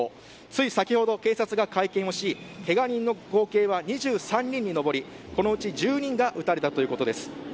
つい先ほど警察が会見をしけが人の合計は２３人に上りこのうち１０人が撃たれたということです。